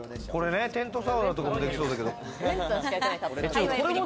テントサウナとかも、できそうだけれど。